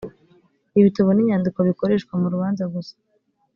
ibitabo n inyandiko bikoreshwa murubanza gusa